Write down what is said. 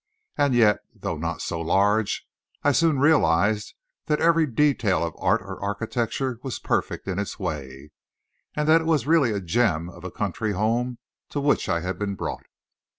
And yet, though not so large, I soon realized that every detail of art or architecture was perfect in its way, and that it was really a gem of a country home to which I had been brought.